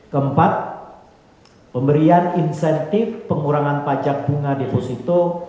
keempat pemberian insentif pengurangan pajak bunga deposito